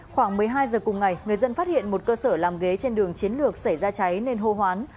khoảng một mươi hai giờ cùng ngày người dân phát hiện một cơ sở làm ghế trên đường chiến lược xảy ra cháy nên hô hoán